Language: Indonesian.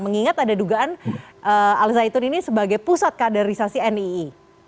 mengingat ada dugaan al zaitun ini sebagai pusat kaderisasi nii